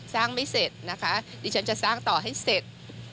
ไม่เสร็จนะคะดิฉันจะสร้างต่อให้เสร็จ